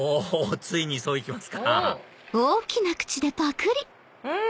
ついにそういきますかうん！